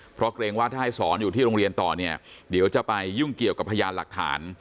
เพราะเกรงว่าถ้าให้สอนอยู่ที่โรงเรียนต่อเนี่ยเดี๋ยวจะไปยุ่งเกี่ยวกับพยานหลักฐาน